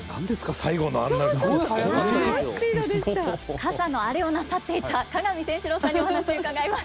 傘のあれをなさっていた鏡味仙志郎さんにお話伺います。